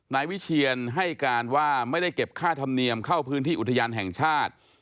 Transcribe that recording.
นายวิเชียนให้การว่าไม่ได้เก็บค่าธรรมเนียมเข้าพื้นที่อุทยานแห่งชาติ